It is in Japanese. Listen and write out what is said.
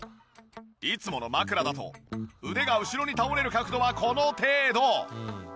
いつもの枕だと腕が後ろに倒れる角度はこの程度。